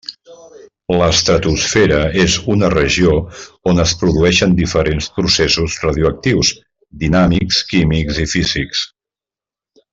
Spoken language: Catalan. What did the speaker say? L'estratosfera és una regió on es produïxen diferents processos radioactius, dinàmics, químics i físics.